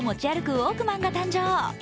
ウォークマンが誕生。